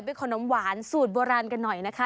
ขนมหวานสูตรโบราณกันหน่อยนะคะ